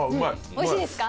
おいしいですか？